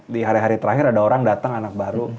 di hari hari terakhir ada orang datang anak baru